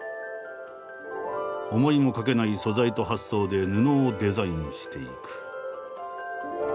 思いもかけない素材と発想で布をデザインしていく。